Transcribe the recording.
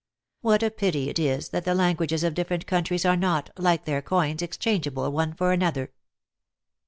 What a pity it is, that the languages of different countries are not, like their coins, ex changeable one for another."